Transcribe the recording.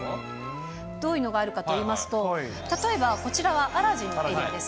どういうのがあるかといいますと、例えば、こちらはアラジンです。